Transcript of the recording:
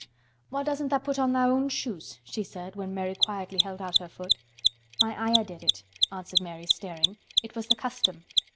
"Why doesn't tha' put on tha' own shoes?" she said when Mary quietly held out her foot. "My Ayah did it," answered Mary, staring. "It was the custom."